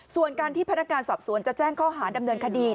ส่วนการที่พนักการสอบสวนจะแจ้งข้อหาดำเนินคดี